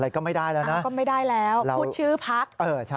ก็ไม่ได้แล้วพูดชื่อพัค